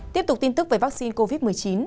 tiếp tục tin tức về vắc xin covid một mươi chín